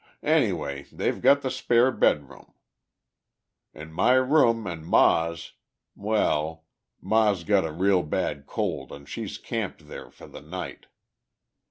"Any way they've got the spare bed room. An' my room an' Ma's ... well, Ma's got a real bad cold an' she's camped there for the night.